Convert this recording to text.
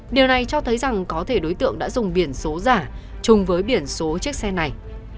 điều này cho thấy rằng có thể đối tượng đã dùng biển số giả chung với biển số chiếc xe này